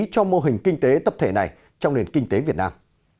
cho mô hình kinh tế tập thể này trong nền kinh tế việt nam